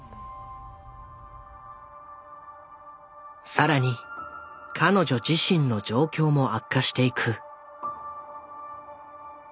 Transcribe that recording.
更に彼女自身の状況も悪化していく。